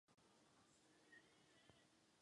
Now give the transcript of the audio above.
Patřil k zakládajícím členům strany.